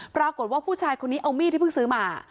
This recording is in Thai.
ปรากฏว่าผู้ชายคนนี้เอามีดที่เพิ่งซื้อมา